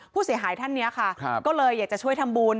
ผู้เสียหายท่านนี้ค่ะก็เลยอยากจะช่วยทำบุญ